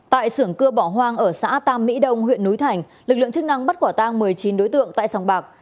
tại xưởng cưa bỏ hoang ở xã tam mỹ đông huyện núi thành lực lượng chức năng bắt quả tang một mươi chín đối tượng tại sòng bạc